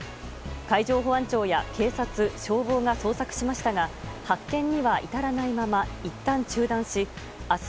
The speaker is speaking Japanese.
海上保安庁や警察、消防が捜索しましたが発見には至らないままいったん中断し明日